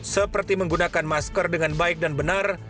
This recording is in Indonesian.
seperti menggunakan masker dengan baik dan benar